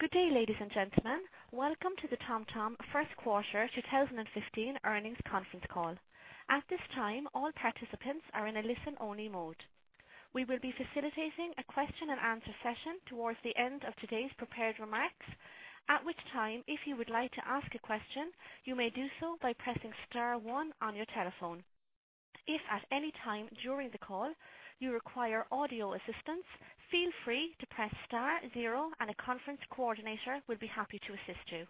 Good day, ladies and gentlemen. Welcome to the TomTom first quarter 2015 earnings conference call. At this time, all participants are in a listen-only mode. We will be facilitating a question and answer session towards the end of today's prepared remarks. At which time, if you would like to ask a question, you may do so by pressing star one on your telephone. If at any time during the call you require audio assistance, feel free to press star zero and a conference coordinator will be happy to assist you.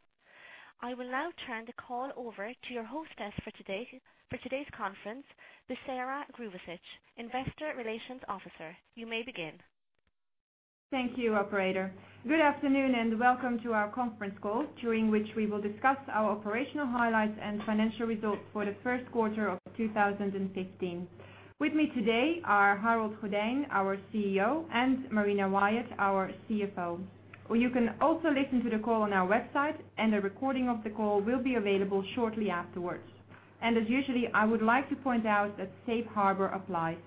I will now turn the call over to your hostess for today's conference, Bisera Grubesic, investor relations officer. You may begin. Thank you, operator. Good afternoon, welcome to our conference call, during which we will discuss our operational highlights and financial results for the first quarter of 2015. With me today are Harold Goddijn, our CEO, and Marina Wyatt, our CFO. You can also listen to the call on our website, a recording of the call will be available shortly afterwards. As usually, I would like to point out that safe harbor applies.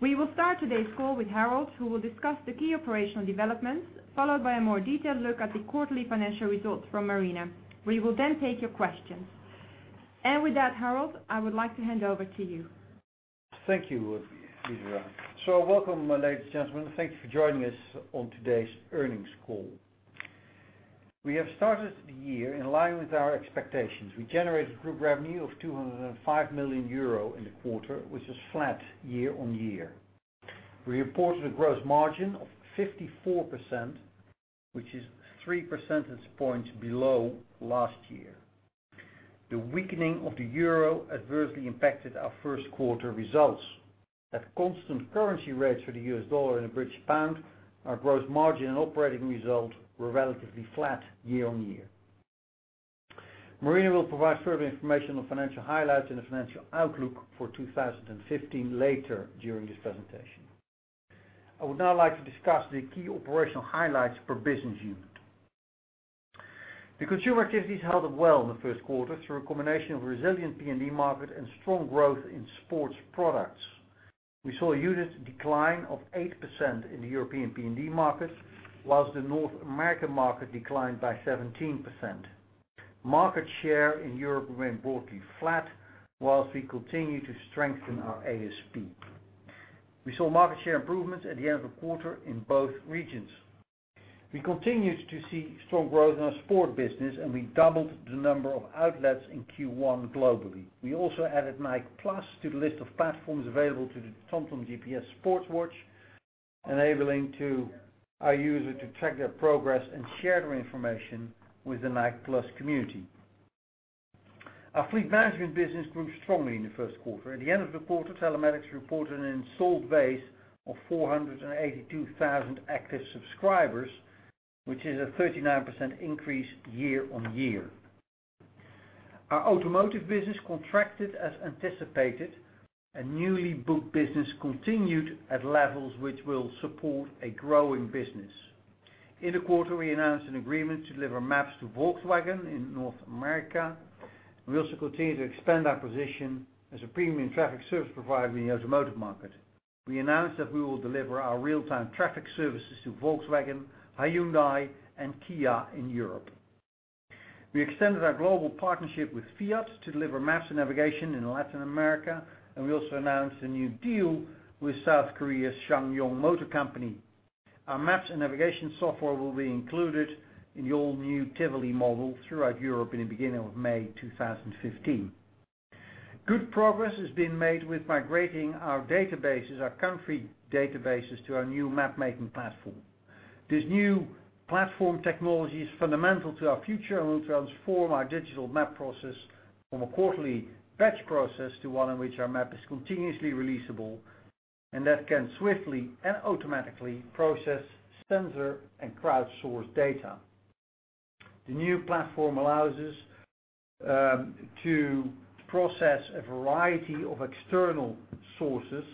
We will start today's call with Harold, who will discuss the key operational developments, followed by a more detailed look at the quarterly financial results from Marina. We will then take your questions. With that, Harold, I would like to hand over to you. Thank you, Bisera. Welcome, ladies and gentlemen. Thank you for joining us on today's earnings call. We have started the year in line with our expectations. We generated group revenue of 205 million euro in the quarter, which is flat year-on-year. We reported a gross margin of 54%, which is three percentage points below last year. The weakening of the euro adversely impacted our first quarter results. At constant currency rates for the US dollar and the British pound, our gross margin and operating result were relatively flat year-on-year. Marina will provide further information on financial highlights and the financial outlook for 2015 later during this presentation. I would now like to discuss the key operational highlights per business unit. The consumer activities held up well in the first quarter through a combination of resilient PND market and strong growth in sports products. We saw a unit decline of 8% in the European PND market, whilst the North American market declined by 17%. Market share in Europe remained broadly flat, whilst we continued to strengthen our ASP. We saw market share improvements at the end of the quarter in both regions. We continued to see strong growth in our sport business, and we doubled the number of outlets in Q1 globally. We also added Nike+ to the list of platforms available to the TomTom GPS sports watch, enabling our user to track their progress and share their information with the Nike+ community. Our fleet management business grew strongly in the first quarter. At the end of the quarter, Telematics reported an installed base of 482,000 active subscribers, which is a 39% increase year-on-year. Our automotive business contracted as anticipated, and newly booked business continued at levels which will support a growing business. In the quarter, we announced an agreement to deliver maps to Volkswagen in North America. We also continue to expand our position as a premium traffic service provider in the automotive market. We announced that we will deliver our real-time traffic services to Volkswagen, Hyundai, and Kia in Europe. We extended our global partnership with Fiat to deliver maps and navigation in Latin America, and we also announced a new deal with South Korea's SsangYong Motor Company. Our maps and navigation software will be included in the all-new Tivoli model throughout Europe in the beginning of May 2015. Good progress has been made with migrating our country databases to our new mapmaking platform. This new platform technology is fundamental to our future and will transform our digital map process from a quarterly batch process to one in which our map is continuously releasable and that can swiftly and automatically process sensor and crowdsourced data. The new platform allows us to process a variety of external sources,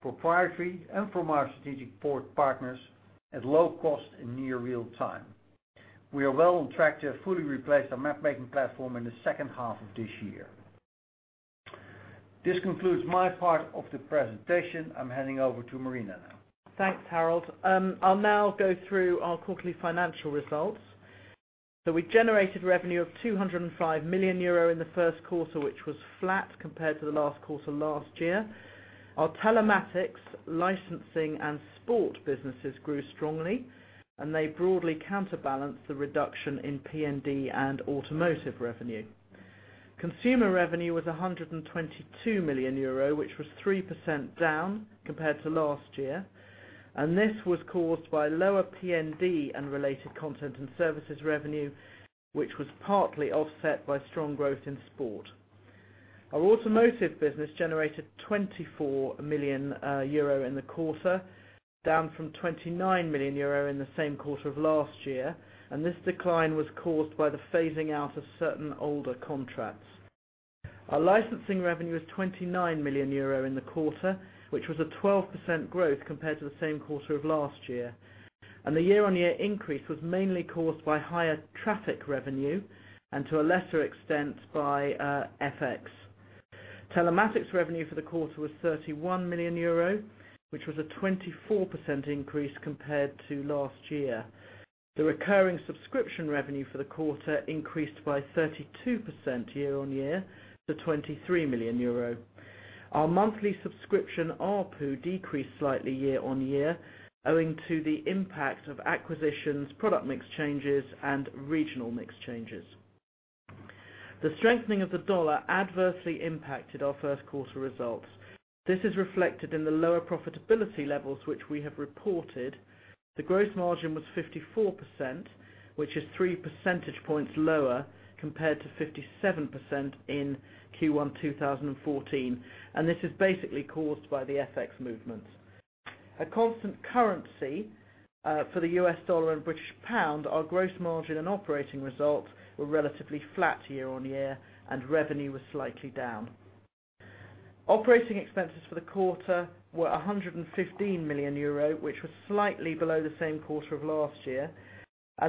proprietary and from our strategic partners at low cost in near real time. We are well on track to have fully replaced our mapmaking platform in the second half of this year. This concludes my part of the presentation. I'm handing over to Marina now. Thanks, Harold. I'll now go through our quarterly financial results. We generated revenue of 205 million euro in the first quarter, which was flat compared to the last quarter last year. Our Telematics, licensing, and sport businesses grew strongly, and they broadly counterbalance the reduction in PND and automotive revenue. Consumer revenue was 122 million euro, which was 3% down compared to last year, and this was caused by lower PND and related content and services revenue, which was partly offset by strong growth in sport. Our automotive business generated 24 million euro in the quarter, down from 29 million euro in the same quarter of last year. This decline was caused by the phasing out of certain older contracts. Our licensing revenue is 29 million euro in the quarter, which was a 12% growth compared to the same quarter of last year. The year-on-year increase was mainly caused by higher traffic revenue and to a lesser extent, by FX. Telematics revenue for the quarter was 31 million euro, which was a 24% increase compared to last year. The recurring subscription revenue for the quarter increased by 32% year-on-year to 23 million euro. Our monthly subscription ARPU decreased slightly year-on-year, owing to the impact of acquisitions, product mix changes, and regional mix changes. The strengthening of the U.S. dollar adversely impacted our first quarter results. This is reflected in the lower profitability levels which we have reported. The gross margin was 54%, which is three percentage points lower compared to 57% in Q1 2014. This is basically caused by the FX movements. At constant currency for the U.S. dollar and British pound, our gross margin and operating results were relatively flat year-on-year, and revenue was slightly down. Operating expenses for the quarter were 115 million euro, which was slightly below the same quarter of last year.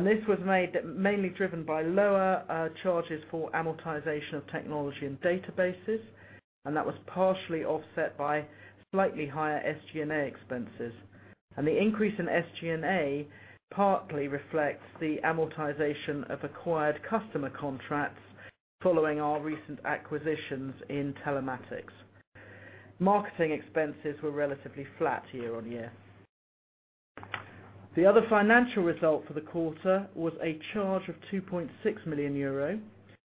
This was mainly driven by lower charges for amortization of technology and databases, and that was partially offset by slightly higher SG&A expenses. The increase in SG&A partly reflects the amortization of acquired customer contracts following our recent acquisitions in Telematics. Marketing expenses were relatively flat year-on-year. The other financial result for the quarter was a charge of 2.6 million euro,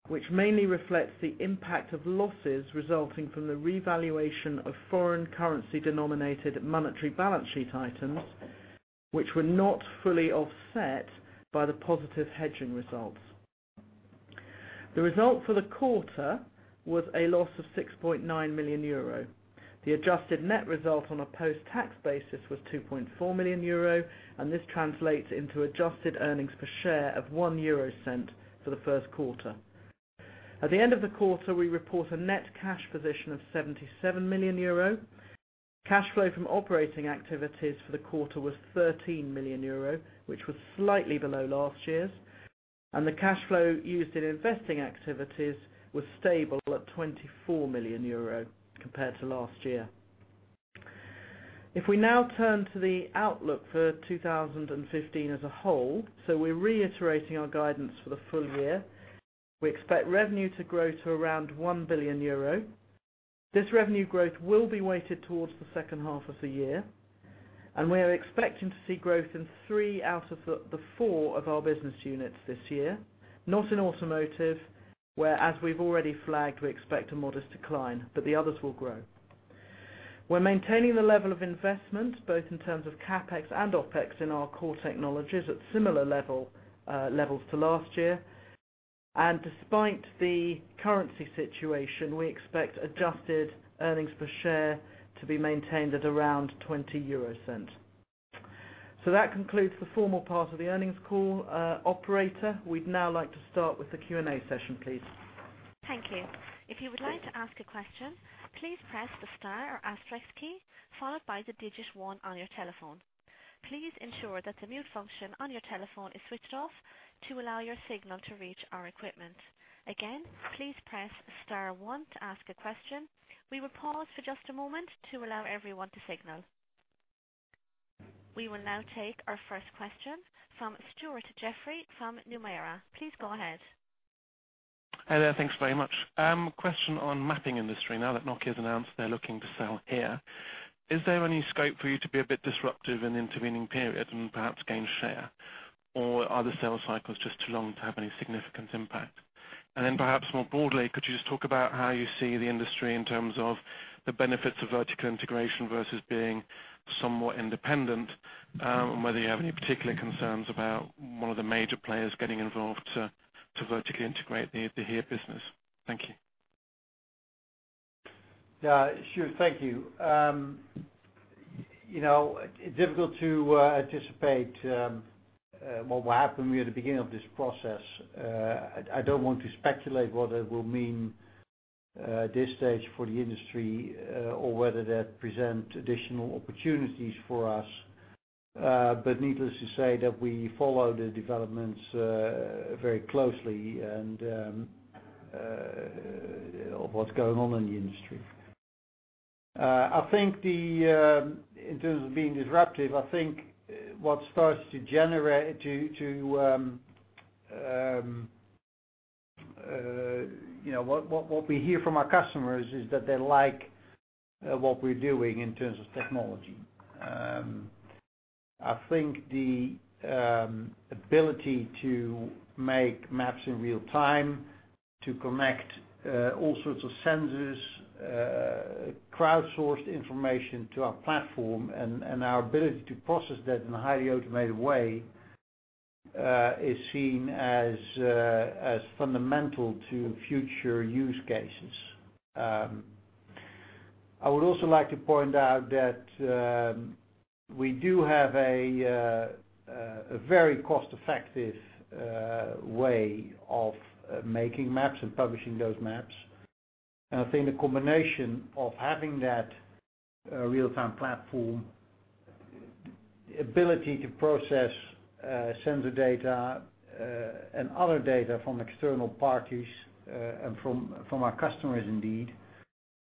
which mainly reflects the impact of losses resulting from the revaluation of foreign currency denominated monetary balance sheet items, which were not fully offset by the positive hedging results. The result for the quarter was a loss of 6.9 million euro. The adjusted net result on a post-tax basis was 2.4 million euro, and this translates into adjusted earnings per share of 0.01 for the first quarter. At the end of the quarter, we report a net cash position of 77 million euro. Cash flow from operating activities for the quarter was 13 million euro, which was slightly below last year's, and the cash flow used in investing activities was stable at 24 million euro compared to last year. If we now turn to the outlook for 2015 as a whole, we're reiterating our guidance for the full year. We expect revenue to grow to around 1 billion euro. This revenue growth will be weighted towards the second half of the year, and we are expecting to see growth in three out of the four of our business units this year. Not in automotive, where, as we've already flagged, we expect a modest decline, but the others will grow. We're maintaining the level of investment both in terms of CapEx and OpEx in our core technologies at similar levels to last year. Despite the currency situation, we expect adjusted earnings per share to be maintained at around 0.20. That concludes the formal part of the earnings call. Operator, we'd now like to start with the Q&A session, please. Thank you. If you would like to ask a question, please press the star or asterisk key, followed by the digit one on your telephone. Please ensure that the mute function on your telephone is switched off to allow your signal to reach our equipment. Again, please press star one to ask a question. We will pause for just a moment to allow everyone to signal. We will now take our first question from Stuart Jeffrey from Nomura. Please go ahead. Hi there. Thanks very much. Question on mapping industry. Now that Nokia's announced they're looking to sell HERE, is there any scope for you to be a bit disruptive in the intervening period and perhaps gain share? Are the sales cycles just too long to have any significant impact? Perhaps more broadly, could you just talk about how you see the industry in terms of the benefits of vertical integration versus being somewhat independent? Whether you have any particular concerns about one of the major players getting involved to vertically integrate the HERE business. Thank you. Yeah, sure. Thank you. It's difficult to anticipate what will happen. We're at the beginning of this process. I don't want to speculate what it will mean at this stage for the industry or whether that present additional opportunities for us. Needless to say that we follow the developments very closely and of what's going on in the industry. In terms of being disruptive, I think what we hear from our customers is that they like what we're doing in terms of technology. I think the ability to make maps in real-time, to connect all sorts of sensors, crowdsourced information to our platform, and our ability to process that in a highly automated way is seen as fundamental to future use cases. I would also like to point out that we do have a very cost-effective way of making maps and publishing those maps. I think the combination of having that real-time platform The ability to process sensor data and other data from external parties and from our customers, indeed,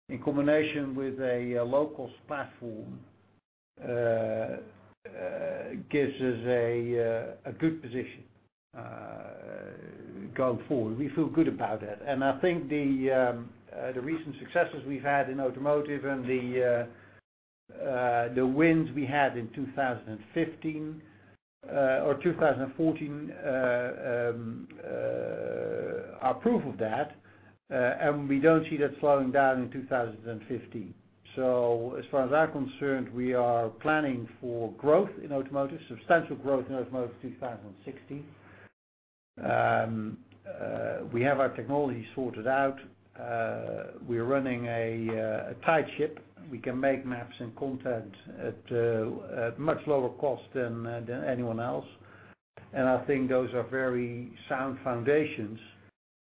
in combination with a low-cost platform, gives us a good position going forward. We feel good about that. I think the recent successes we've had in automotive and the wins we had in 2015 or 2014 are proof of that, and we don't see that slowing down in 2015. As far as we are concerned, we are planning for growth in automotive, substantial growth in automotive 2016. We have our technology sorted out. We're running a tight ship. We can make maps and content at much lower cost than anyone else. I think those are very sound foundations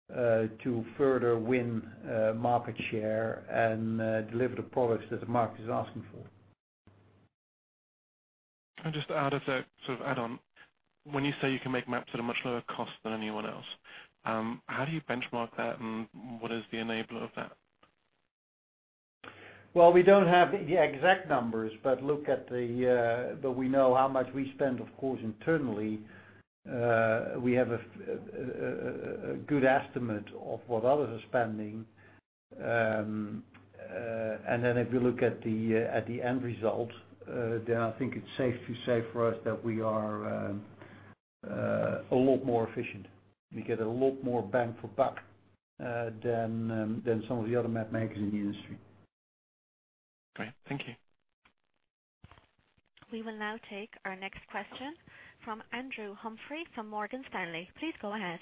to further win market share and deliver the products that the market is asking for. Can I just add as a sort of add-on, when you say you can make maps at a much lower cost than anyone else, how do you benchmark that, and what is the enabler of that? Well, we don't have the exact numbers, but we know how much we spend, of course, internally. We have a good estimate of what others are spending. If you look at the end result, then I think it's safe to say for us that we are a lot more efficient. We get a lot more bang for buck than some of the other map makers in the industry. Great. Thank you. We will now take our next question from Andrew Humphrey from Morgan Stanley. Please go ahead.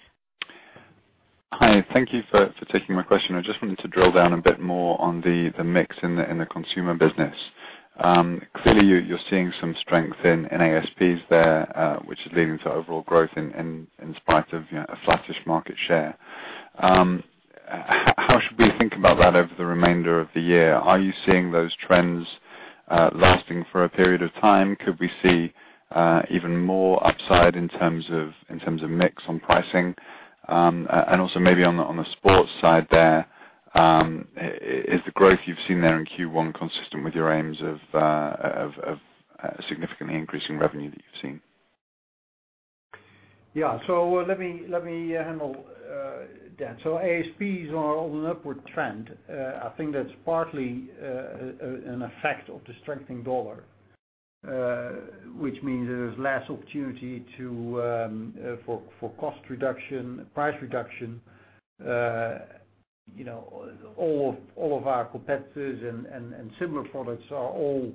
Hi. Thank you for taking my question. I just wanted to drill down a bit more on the mix in the consumer business. Clearly, you're seeing some strength in ASPs there, which is leading to overall growth in spite of a flattish market share. How should we think about that over the remainder of the year? Are you seeing those trends lasting for a period of time? Could we see even more upside in terms of mix on pricing? Also maybe on the sports side there, is the growth you've seen there in Q1 consistent with your aims of significantly increasing revenue that you've seen? Yeah. Let me handle that. ASPs are on an upward trend. I think that's partly an effect of the strengthening U.S. dollar, which means there is less opportunity for cost reduction, price reduction. All of our competitors and similar products are all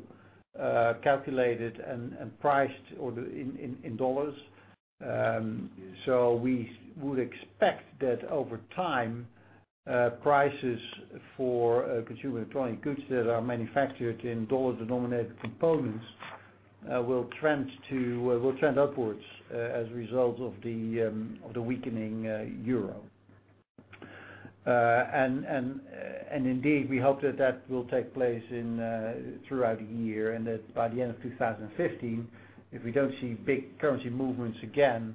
calculated and priced in U.S. dollars. We would expect that over time, prices for consumer electronic goods that are manufactured in U.S. dollar-denominated components will trend upwards as a result of the weakening Euro. Indeed, we hope that that will take place throughout the year, and that by the end of 2015, if we don't see big currency movements again,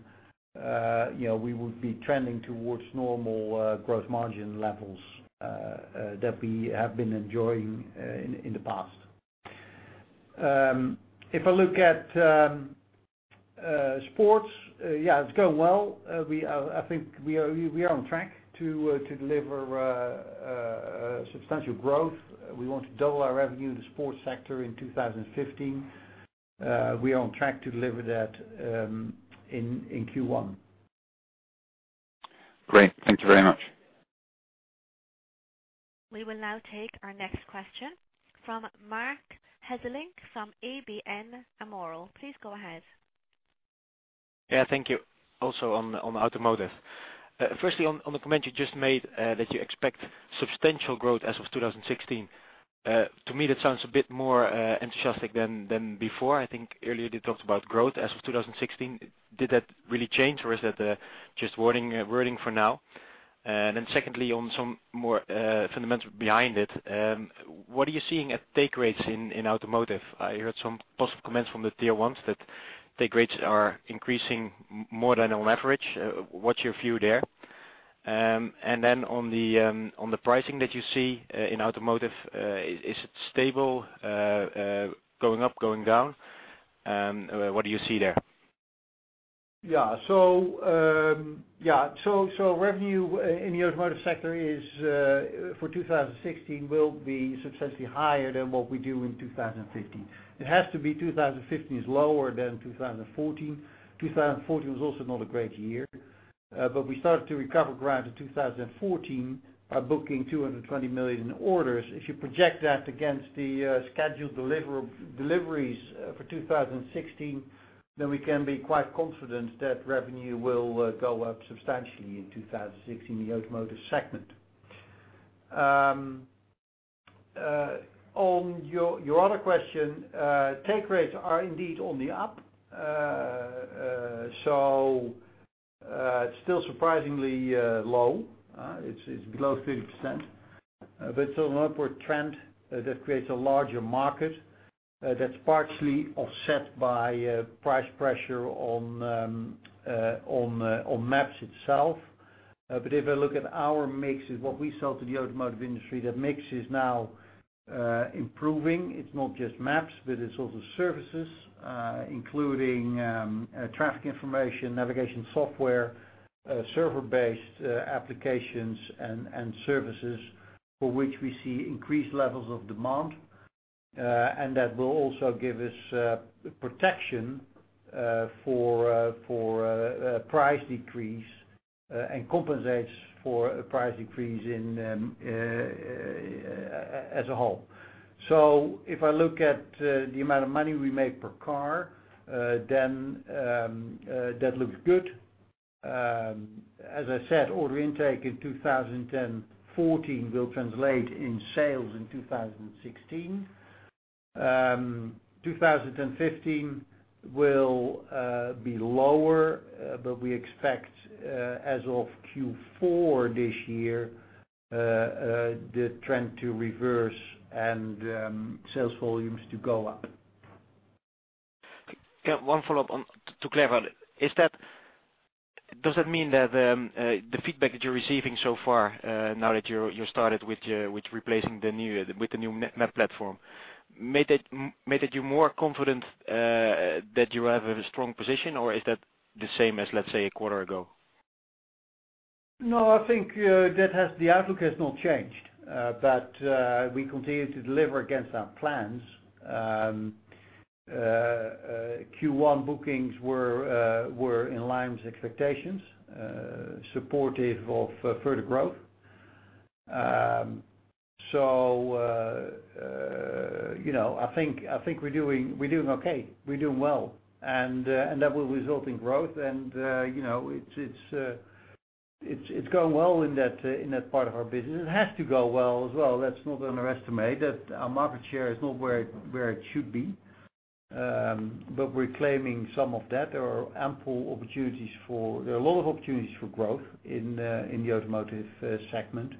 we would be trending towards normal growth margin levels that we have been enjoying in the past. If I look at sports, yeah, it's going well. I think we are on track to deliver substantial growth. We want to double our revenue in the sports sector in 2015. We are on track to deliver that in Q1. Great. Thank you very much. We will now take our next question from Marc Hesselink from ABN AMRO. Please go ahead. Yeah, thank you. Also, on automotive. Firstly, on the comment you just made, that you expect substantial growth as of 2016. To me, that sounds a bit more enthusiastic than before. I think earlier they talked about growth as of 2016. Did that really change, or is that just wording for now? Secondly, on some more fundamentals behind it, what are you seeing at take rates in automotive? I heard some positive comments from the tier 1s that take rates are increasing more than on average. What's your view there? On the pricing that you see in automotive, is it stable? Going up, going down? What do you see there? Yeah. Revenue in the automotive sector for 2016 will be substantially higher than what we do in 2015. It has to be. 2015 is lower than 2014. 2014 was also not a great year. We started to recover ground in 2014 by booking 220 million in orders. If you project that against the scheduled deliveries for 2016, we can be quite confident that revenue will go up substantially in 2016 in the automotive segment. On your other question, take rates are indeed on the up. It's still surprisingly low. It's below 30%, but it's on an upward trend that creates a larger market, that's partially offset by price pressure on maps itself. If I look at our mix is what we sell to the automotive industry, that mix is now improving. It's not just maps, but it's also services, including traffic information, navigation software, server-based applications and services for which we see increased levels of demand. That will also give us protection for price decrease and compensates for a price decrease as a whole. If I look at the amount of money we make per car, that looks good. As I said, order intake in 2014 will translate in sales in 2016. 2015 will be lower, but we expect, as of Q4 this year, the trend to reverse and sales volumes to go up. One follow-up to clarify. Does that mean that the feedback that you're receiving so far, now that you've started with replacing with the new map platform, made you more confident that you have a strong position, or is that the same as, let's say, a quarter ago? No, I think the outlook has not changed. We continue to deliver against our plans. Q1 bookings were in line with expectations, supportive of further growth. I think we're doing okay. We're doing well, and that will result in growth. It's going well in that part of our business. It has to go well as well. Let's not underestimate that our market share is not where it should be. We're claiming some of that. There are a lot of opportunities for growth in the automotive segment.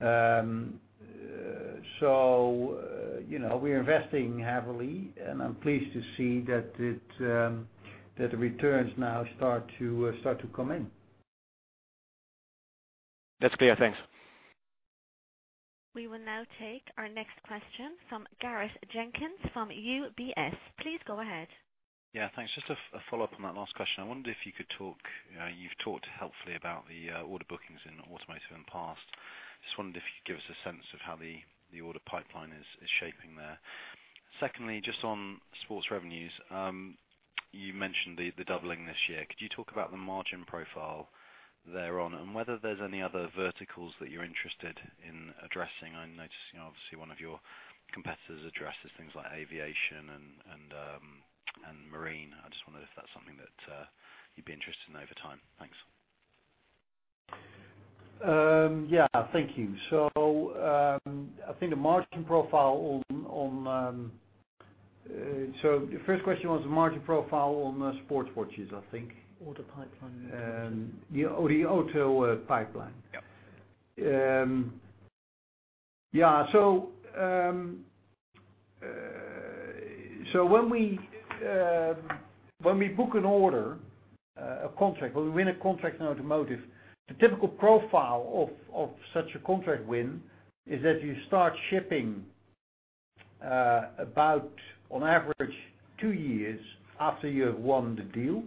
We're investing heavily, and I'm pleased to see that the returns now start to come in. That's clear. Thanks. We will now take our next question from Gareth Jenkins from UBS. Please go ahead. Thanks. Just a follow-up on that last question. I wondered if you could talk, you've talked helpfully about the order bookings in automotive in the past. Just wondered if you could give us a sense of how the order pipeline is shaping there. Secondly, just on sports revenues. You mentioned the doubling this year. Could you talk about the margin profile thereon and whether there's any other verticals that you're interested in addressing? I noticed, obviously, one of your competitors addresses things like aviation and marine. I just wonder if that's something that you'd be interested in over time. Thanks. Thank you. I think the margin profile on the first question was the margin profile on sports watches, I think. Order pipeline. The auto pipeline. Yep. Yeah. When we book an order, a contract, or we win a contract in automotive, the typical profile of such a contract win is that you start shipping about, on average, 2 years after you have won the deal.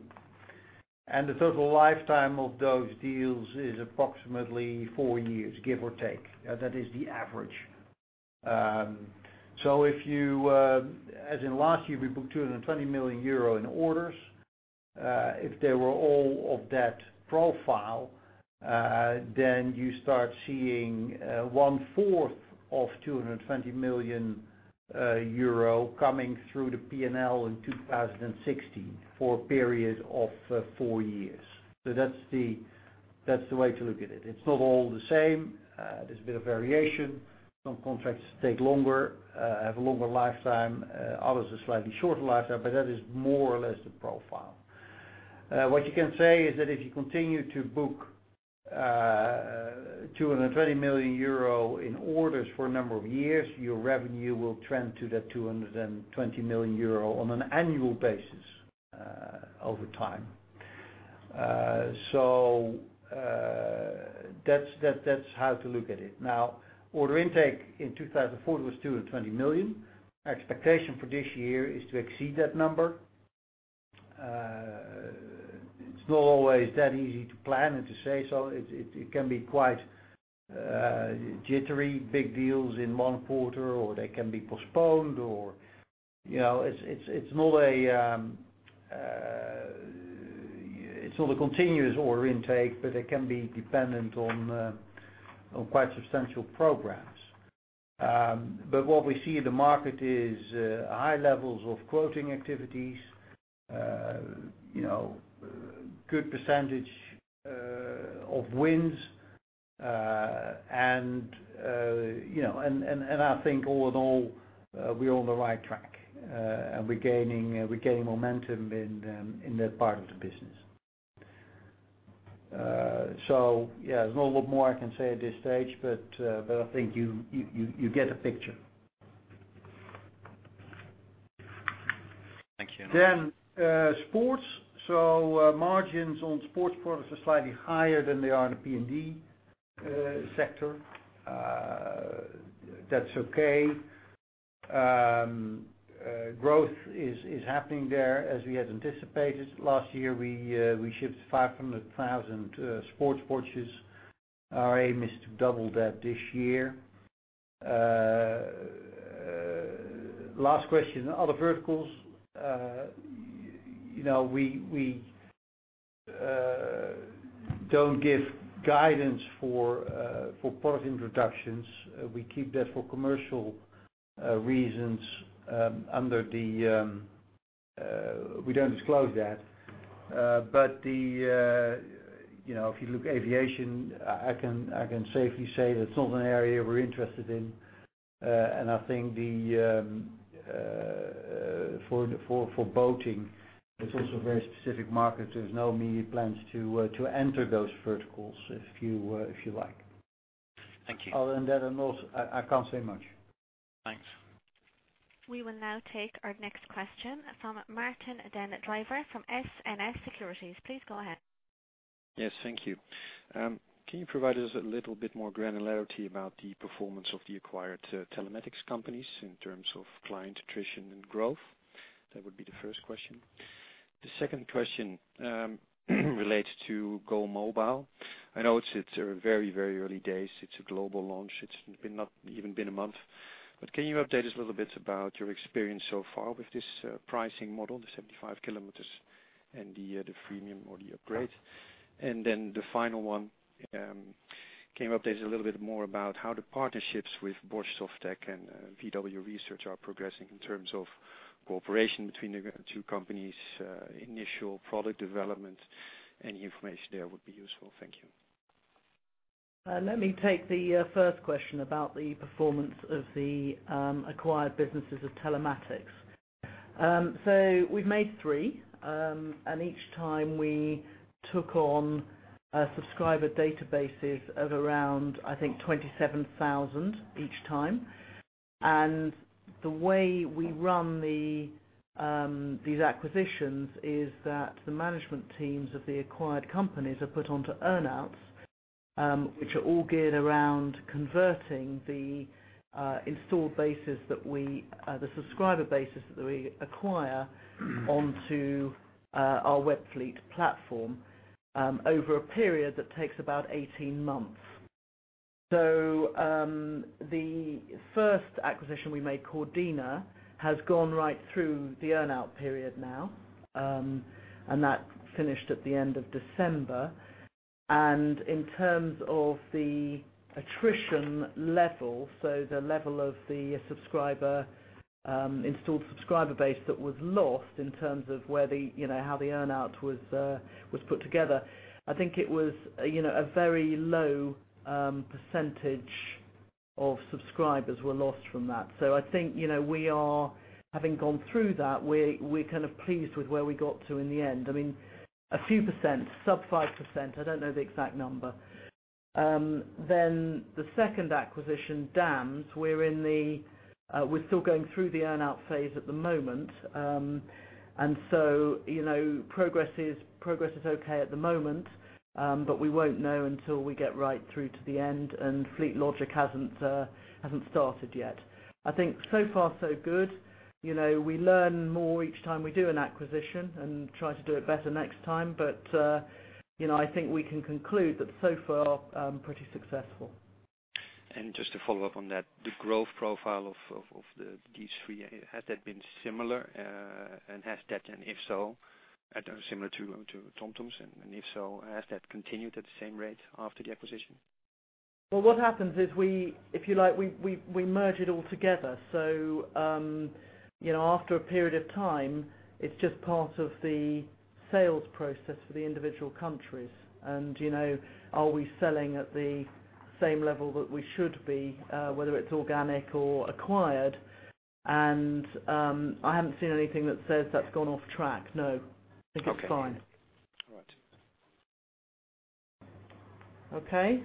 The total lifetime of those deals is approximately 4 years, give or take. That is the average. As in last year, we booked 220 million euro in orders. If they were all of that profile, then you start seeing one-fourth of 220 million euro coming through the P&L in 2016 for a period of 4 years. That's the way to look at it. It's not all the same. There's a bit of variation. Some contracts take longer, have a longer lifetime. Others a slightly shorter lifetime, that is more or less the profile. What you can say is that if you continue to book 220 million euro in orders for a number of years, your revenue will trend to that 220 million euro on an annual basis over time. That's how to look at it. Order intake in 2014 was 220 million. Our expectation for this year is to exceed that number. It's not always that easy to plan and to say so. It can be quite jittery, big deals in one quarter, they can be postponed. It's not a continuous order intake, it can be dependent on quite substantial programs. What we see in the market is high levels of quoting activities, good percentage of wins. I think all in all, we're on the right track, and we're gaining momentum in that part of the business. Yeah, there's not a lot more I can say at this stage, I think you get the picture. Thank you. Sports. Margins on sports products are slightly higher than they are in the PND sector. That's okay. Growth is happening there as we had anticipated. Last year, we shipped 500,000 sports watches. Our aim is to double that this year. Last question, other verticals. We don't give guidance for product introductions. We keep that for commercial reasons, we don't disclose that. If you look aviation, I can safely say that's not an area we're interested in. I think for boating, it's also a very specific market, so there's no immediate plans to enter those verticals, if you like. Thank you. Other than that, I can't say much. Thanks. We will now take our next question from Martijn den Drijver from SNS Securities. Please go ahead. Yes, thank you. Can you provide us a little bit more granularity about the performance of the acquired Telematics companies in terms of client attrition and growth? That would be the first question. The second question relates to GO Mobile. I know it's very early days. It's a global launch. It's not even been a month, but can you update us a little bit about your experience so far with this pricing model, the 75 km and the freemium or the upgrade? The final one, can you update us a little bit more about how the partnerships with Bosch SoftTec and VW Research are progressing in terms of cooperation between the two companies, initial product development? Any information there would be useful. Thank you. Let me take the first question about the performance of the acquired businesses of Telematics. We've made three, and each time we took on subscriber databases of around, I think, 27,000 each time. The way we run these acquisitions is that the management teams of the acquired companies are put onto earn-outs, which are all geared around converting the subscriber bases that we acquire onto our Webfleet platform over a period that takes about 18 months. The first acquisition we made, Coordina, has gone right through the earn-out period now, and that finished at the end of December. And in terms of the attrition level, so the level of the installed subscriber base that was lost in terms of how the earn-out was put together. I think it was a very low percentage of subscribers were lost from that. I think, having gone through that, we're kind of pleased with where we got to in the end. A few percent, sub 5%, I don't know the exact number. The second acquisition, DAMS, we're still going through the earn-out phase at the moment. Progress is okay at the moment, but we won't know until we get right through to the end, and Fleetlogic hasn't started yet. I think so far so good. We learn more each time we do an acquisition and try to do it better next time. I think we can conclude that so far, pretty successful. Just to follow up on that, the growth profile of these three, has that been similar? If so, similar to TomTom's, and if so, has that continued at the same rate after the acquisition? What happens is we merge it all together. After a period of time, it's just part of the sales process for the individual countries. Are we selling at the same level that we should be, whether it's organic or acquired? I haven't seen anything that says that's gone off track. No. I think it's fine. All right. Okay.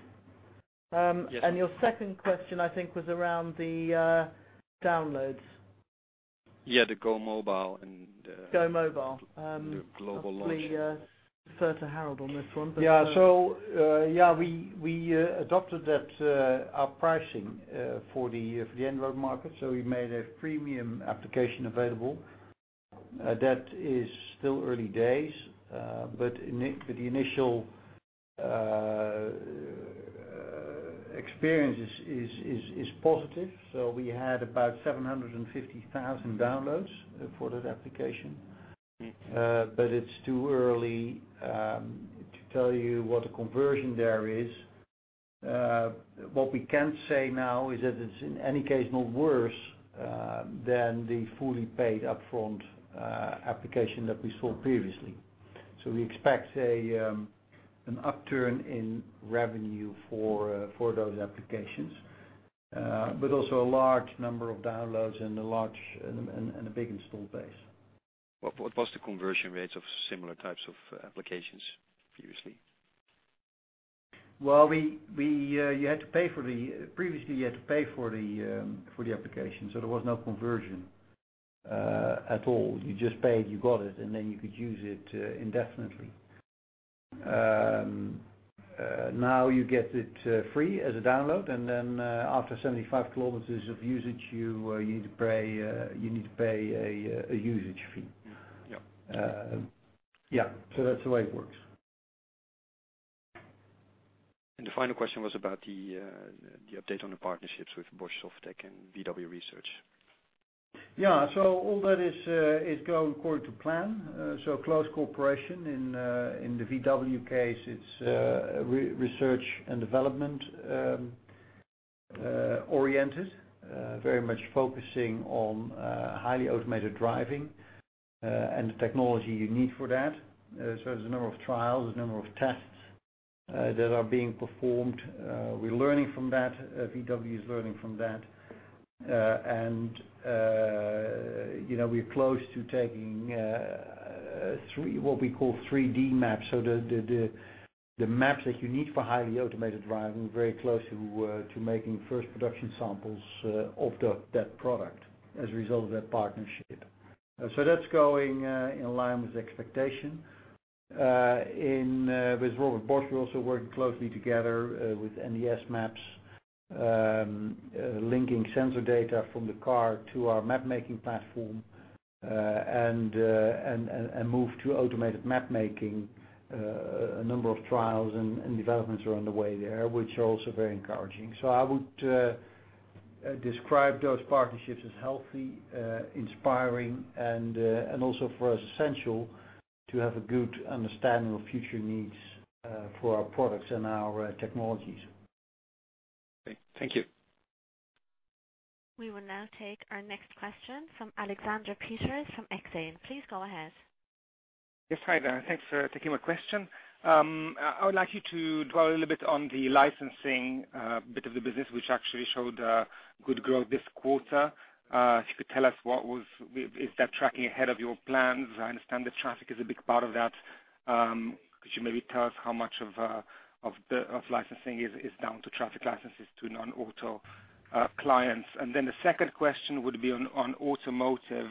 Yes. Your second question, I think, was around the downloads. Yeah, the GO Mobile and. GO Mobile the global launch. I prefer to Harold on this one. Yeah, we adopted our pricing for the Android market. We made a premium application available. That is still early days. The initial experience is positive. We had about 750,000 downloads for that application. It's too early to tell you what the conversion there is. What we can say now is that it's in any case not worse than the fully paid upfront application that we saw previously. We expect an upturn in revenue for those applications, but also a large number of downloads and a big install base. What was the conversion rates of similar types of applications previously? Previously, you had to pay for the application, there was no conversion at all. You just paid, you got it, you could use it indefinitely. Now you get it free as a download, after 75 kilometers of usage, you need to pay a usage fee. Yeah. Yeah. That's the way it works. The final question was about the update on the partnerships with Bosch SoftTec and VW Research. All that is going according to plan. Close cooperation. In the VW case, it's research and development oriented, very much focusing on highly automated driving, and the technology you need for that. There's a number of trials, a number of tests that are being performed. We're learning from that. VW is learning from that. We're close to taking what we call 3D maps. The maps that you need for highly automated driving, very close to making first production samples of that product as a result of that partnership. That's going in line with expectation. With Robert Bosch, we're also working closely together with NDS Maps, linking sensor data from the car to our map-making platform, and move to automated map-making. A number of trials and developments are on the way there, which are also very encouraging. I would describe those partnerships as healthy, inspiring, and also for us, essential to have a good understanding of future needs for our products and our technologies. Okay. Thank you. We will now take our next question from Alexander Peterc from Exane. Please go ahead. Yes. Hi there. Thanks for taking my question. I would like you to dwell a little bit on the licensing bit of the business, which actually showed good growth this quarter. If you could tell us, is that tracking ahead of your plans? I understand that traffic is a big part of that. Could you maybe tell us how much of licensing is down to traffic licenses to non-auto clients? Then the second question would be on automotive.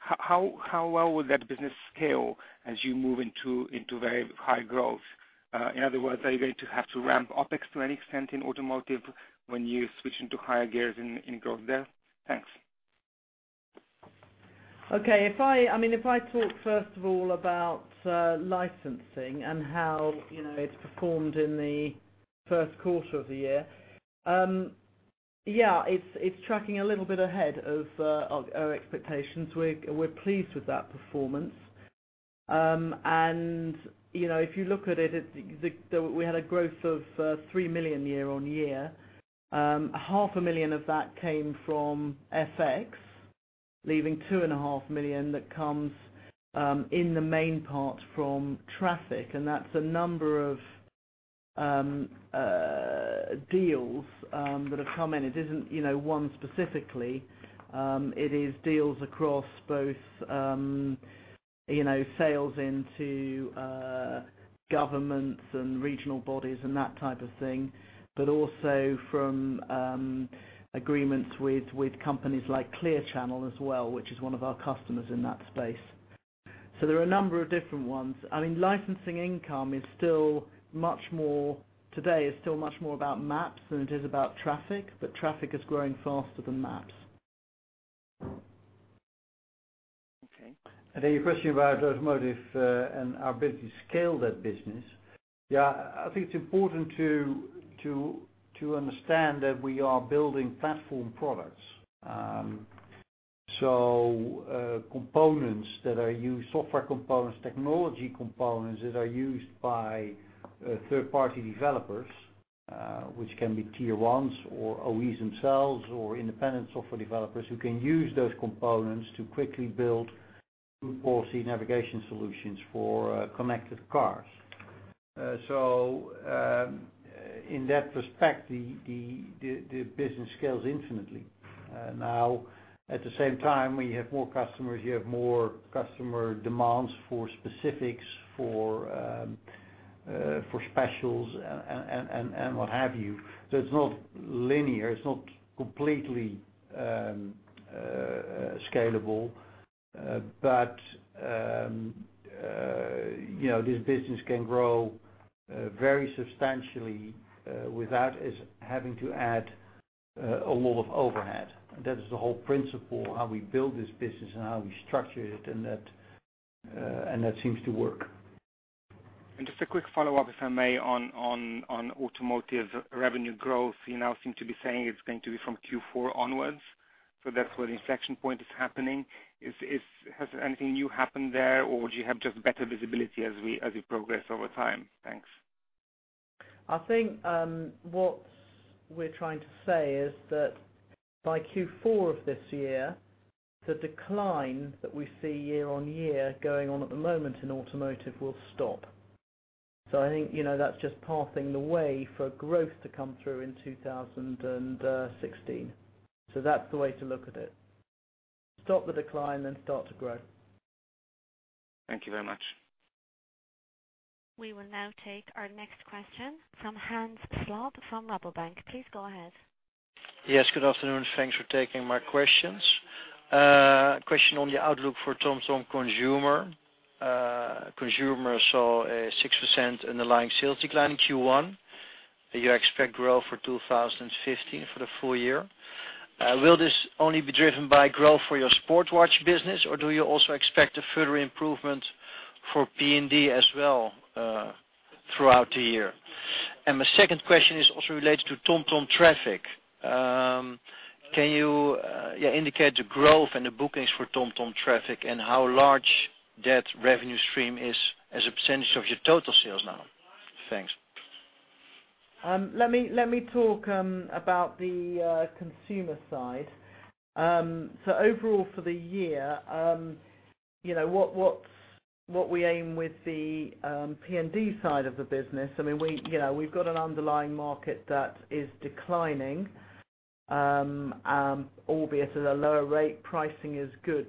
How well would that business scale as you move into very high growth? In other words, are you going to have to ramp OpEx to any extent in automotive when you switch into higher gears in growth there? Thanks. Okay. If I talk first of all about licensing and how it's performed in the first quarter of the year. Yeah, it's tracking a little bit ahead of our expectations. We're pleased with that performance. If you look at it, we had a growth of 3 million year-on-year. Half a million EUR of that came from FX, leaving 2.5 million that comes in the main part from traffic, that's a number of deals that have come in. It isn't one specifically. It is deals across both sales into governments and regional bodies and that type of thing, but also from agreements with companies like Clear Channel as well, which is one of our customers in that space. There are a number of different ones. Licensing income, today, is still much more about maps than it is about traffic is growing faster than maps. Okay. Your question about automotive, and our ability to scale that business. I think it's important to understand that we are building platform products. Software components, technology components that are used by third-party developers which can be tier ones or OEs themselves, or independent software developers who can use those components to quickly build route policy navigation solutions for connected cars. In that respect, the business scales infinitely. At the same time, when you have more customers, you have more customer demands for specifics, for specials and what have you. It's not linear, it's not completely scalable. This business can grow very substantially, without us having to add a lot of overhead. That is the whole principle, how we build this business and how we structure it, and that seems to work. Just a quick follow-up, if I may, on automotive revenue growth. You now seem to be saying it's going to be from Q4 onwards. That's where the inflection point is happening. Has anything new happened there or do you have just better visibility as you progress over time? Thanks. I think what we're trying to say is that by Q4 of this year, the decline that we see year-on-year going on at the moment in automotive will stop. I think, that's just paving the way for growth to come through in 2016. That's the way to look at it. Stop the decline, then start to grow. Thank you very much. We will now take our next question from Hans Slob from Rabobank. Please go ahead. Yes, good afternoon. Thanks for taking my questions. Question on the outlook for TomTom Consumer. Consumer saw a 6% underlying sales decline in Q1. Do you expect growth for 2015 for the full year? Will this only be driven by growth for your sport watch business, or do you also expect a further improvement for PND as well, throughout the year? My second question is also related to TomTom Traffic. Can you indicate the growth and the bookings for TomTom Traffic and how large that revenue stream is as a percentage of your total sales now? Thanks. Let me talk about the consumer side. Overall for the year, what we aim with the PND side of the business, we've got an underlying market that is declining, albeit at a lower rate. Pricing is good.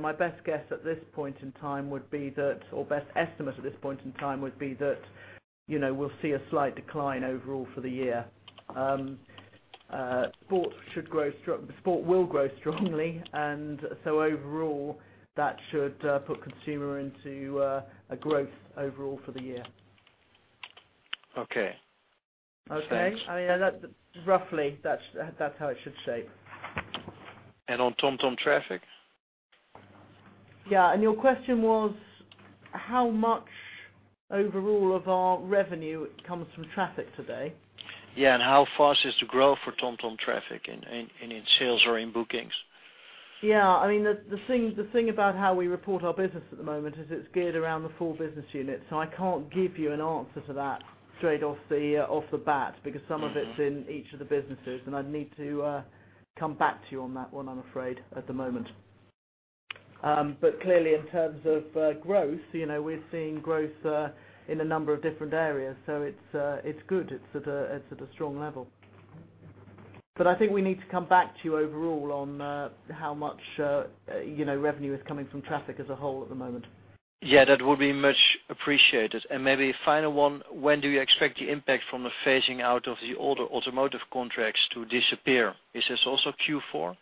My best guess at this point in time would be that, or best estimate at this point in time would be that we'll see a slight decline overall for the year. Sport will grow strongly, overall, that should put consumer into a growth overall for the year. Okay. Thanks. Okay. Roughly, that's how it should shape. On TomTom Traffic? Yeah. Your question was how much overall of our revenue comes from Traffic today? Yeah. How fast is the growth for TomTom Traffic in its sales or in bookings? Yeah. The thing about how we report our business at the moment is it's geared around the four business units. I can't give you an answer to that straight off the bat, because some of it's in each of the businesses, and I'd need to come back to you on that one, I'm afraid, at the moment. Clearly in terms of growth, we're seeing growth in a number of different areas, so it's good. It's at a strong level. I think we need to come back to you overall on how much revenue is coming from TomTom Traffic as a whole at the moment. Yeah, that would be much appreciated. Maybe a final one, when do you expect the impact from the phasing out of the older automotive contracts to disappear? Is this also Q4?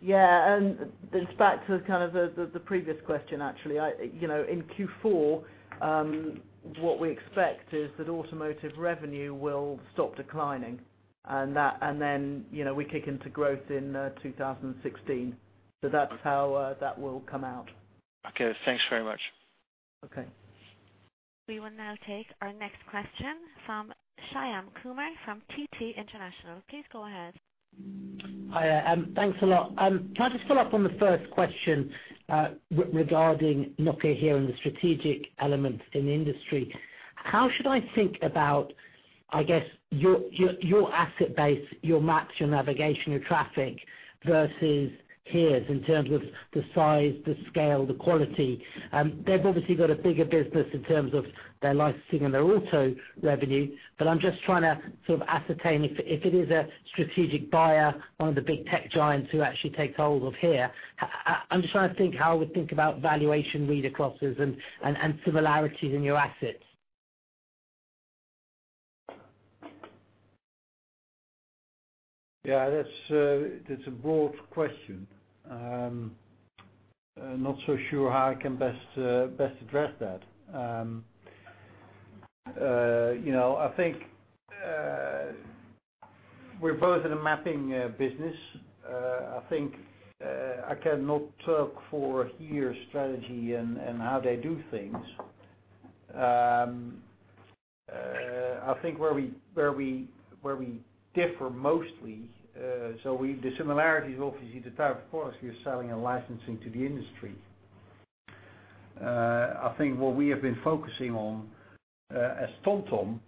Yeah. This backs to the previous question, actually. In Q4, what we expect is that automotive revenue will stop declining, and then we kick into growth in 2016. That's how that will come out. Okay. Thanks very much. Okay. We will now take our next question from Shyam Kumar from TT International. Please go ahead. Hi there, thanks a lot. Can I just follow up on the first question regarding Nokia HERE and the strategic elements in the industry? How should I think about, I guess, your asset base, your maps, your navigation, your traffic versus HERE's in terms of the size, the scale, the quality? They've obviously got a bigger business in terms of their licensing and their auto revenue, I'm just trying to ascertain if it is a strategic buyer, one of the big tech giants who actually takes hold of HERE. I'm just trying to think how I would think about valuation read-acrosses and similarities in your assets. Yeah. That's a broad question. I'm not so sure how I can best address that. I think we're both in the mapping business. I think I cannot talk for HERE's strategy and how they do things. I think where we differ mostly, so the similarities, obviously, the type of products we are selling and licensing to the industry. I think what we have been focusing on as TomTom,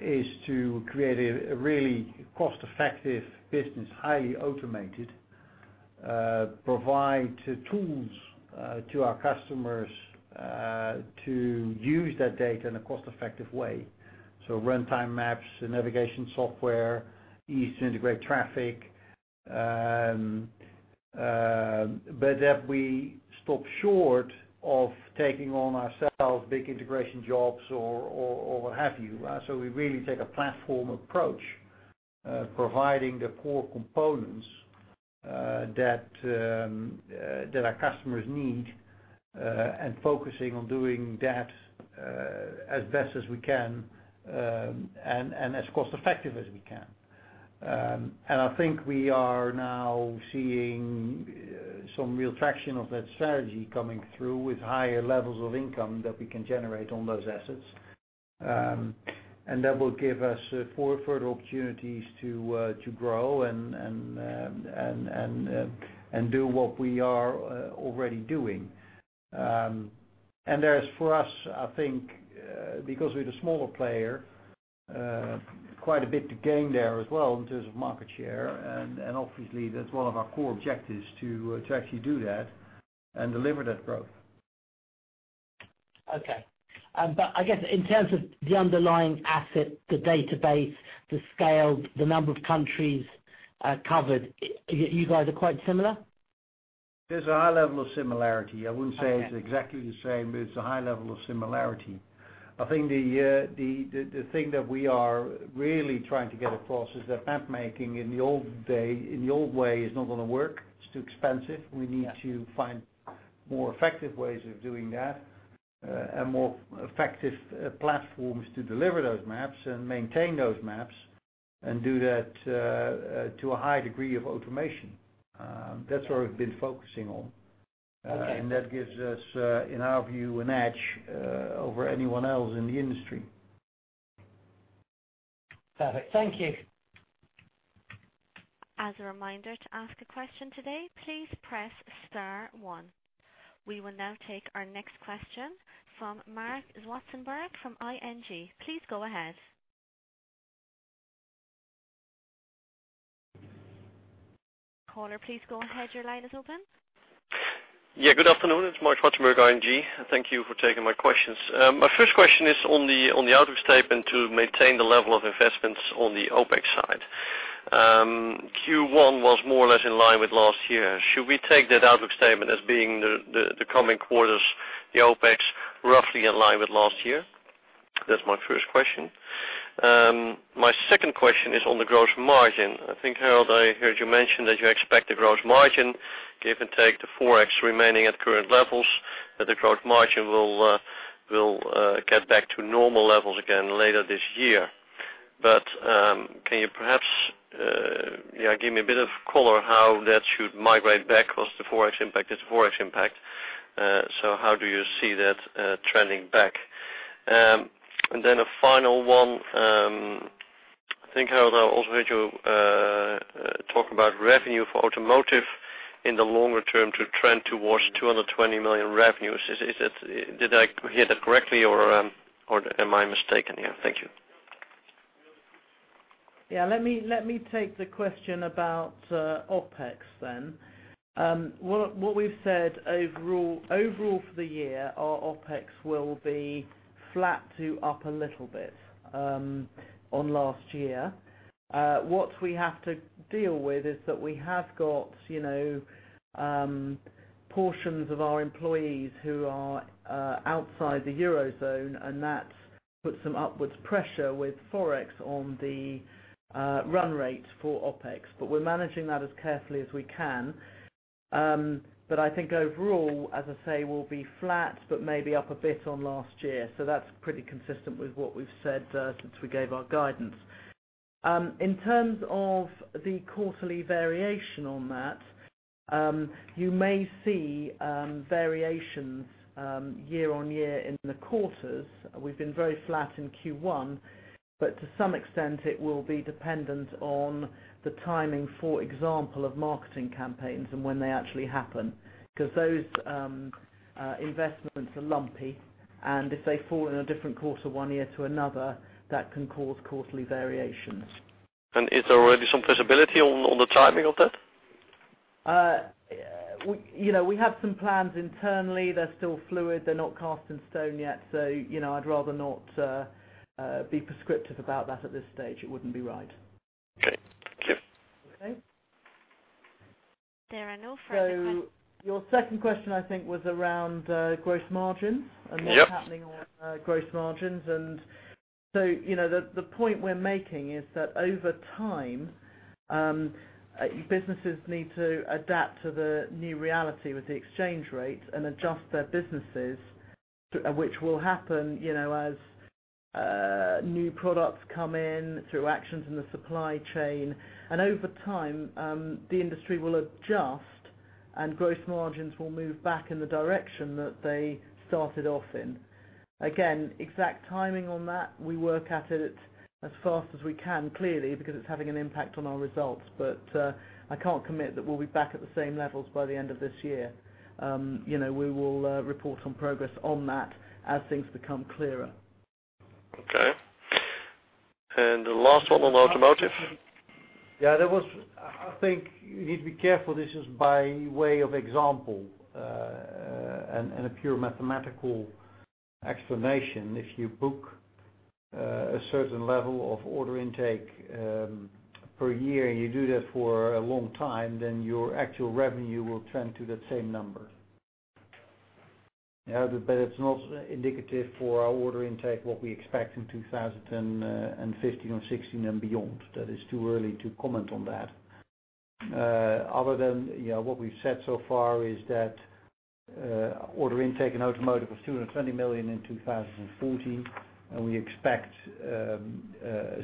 is to create a really cost-effective business, highly automated. Provide tools to our customers to use that data in a cost-effective way, runtime maps and navigation software, ease to integrate traffic. Have we stopped short of taking on ourselves big integration jobs or what have you. We really take a platform approach, providing the core components that our customers need, and focusing on doing that, as best as we can, and as cost effective as we can. I think we are now seeing some real traction of that strategy coming through with higher levels of income that we can generate on those assets. That will give us four further opportunities to grow and do what we are already doing. There is for us, I think, because we're the smaller player, quite a bit to gain there as well in terms of market share, and obviously that's one of our core objectives to actually do that and deliver that growth. Okay. I guess in terms of the underlying asset, the database, the scale, the number of countries covered, you guys are quite similar? There's a high level of similarity. I wouldn't say- Okay It's exactly the same, but it's a high level of similarity. I think the thing that we are really trying to get across is that map making in the old way is not going to work. It's too expensive. We need to find more effective ways of doing that, and more effective platforms to deliver those maps and maintain those maps, and do that to a high degree of automation. That's where we've been focusing on. Okay. That gives us, in our view, an edge over anyone else in the industry. Perfect. Thank you. As a reminder to ask a question today, please press star one. We will now take our next question from Marc Zwartsenburg from ING. Please go ahead. Caller, please go ahead, your line is open. Good afternoon. It's Marc Zwartsenburg, ING. Thank you for taking my questions. My first question is on the outlook statement to maintain the level of investments on the OpEx side. Q1 was more or less in line with last year. Should we take that outlook statement as being the coming quarters, the OpEx roughly in line with last year? That's my first question. My second question is on the gross margin. I think, Harold, I heard you mention that you expect the gross margin, give and take the ForEx remaining at current levels, that the gross margin will get back to normal levels again later this year. Can you perhaps give me a bit of color how that should migrate back? Because the ForEx impact is ForEx impact. How do you see that trending back? Then a final one. I think, Harold, I also heard you talk about revenue for automotive in the longer term to trend towards 220 million revenues. Did I hear that correctly, or am I mistaken here? Thank you. Yeah, let me take the question about OpEx then. What we've said, overall for the year, our OpEx will be flat to up a little bit on last year. What we have to deal with is that we have got portions of our employees who are outside the Eurozone, and that's put some upwards pressure with ForEx on the run rate for OpEx. We're managing that as carefully as we can. I think overall, as I say, we'll be flat, but maybe up a bit on last year. That's pretty consistent with what we've said since we gave our guidance. In terms of the quarterly variation on that, you may see variations year-over-year in the quarters. We've been very flat in Q1, but to some extent it will be dependent on the timing, for example, of marketing campaigns and when they actually happen. Because those investments are lumpy, and if they fall in a different quarter one year to another, that can cause quarterly variations. Is there already some visibility on the timing of that? We have some plans internally. They're still fluid. They're not cast in stone yet. I'd rather not be prescriptive about that at this stage. It wouldn't be right. Okay. Thank you. Okay. There are no further. Your second question, I think, was around gross margin. Yep What's happening on gross margins. The point we're making is that over time, businesses need to adapt to the new reality with the exchange rates and adjust their businesses, which will happen as new products come in, through actions in the supply chain. Over time, the industry will adjust and gross margins will move back in the direction that they started off in. Again, exact timing on that, we work at it as fast as we can, clearly, because it's having an impact on our results. I can't commit that we'll be back at the same levels by the end of this year. We will report on progress on that as things become clearer. Okay. The last one on automotive. Yeah, I think you need to be careful. This is by way of example, and a pure mathematical explanation. If you book a certain level of order intake per year, and you do that for a long time, then your actual revenue will trend to that same number. It's not indicative for our order intake, what we expect in 2015 or 2016 and beyond. That is too early to comment on that. Other than what we've said so far is that order intake in automotive was 220 million in 2014, and we expect a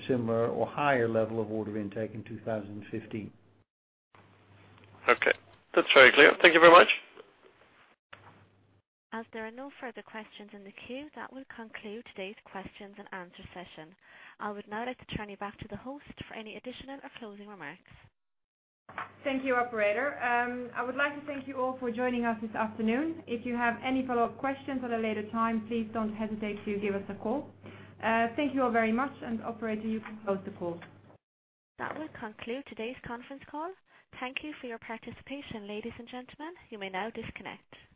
similar or higher level of order intake in 2015. Okay. That's very clear. Thank you very much. As there are no further questions in the queue, that will conclude today's questions and answer session. I would now like to turn you back to the host for any additional or closing remarks. Thank you, operator. I would like to thank you all for joining us this afternoon. If you have any follow-up questions at a later time, please don't hesitate to give us a call. Thank you all very much. Operator, you can close the call. That will conclude today's conference call. Thank you for your participation, ladies and gentlemen. You may now disconnect.